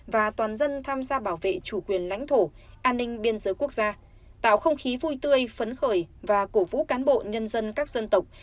và toàn dân tham gia bảo vệ chủ quyền lãnh thổ an ninh biên giới quốc gia tạo không khí vui tươi phấn khởi và cổ vũ cán bộ nhân dân các dân tộc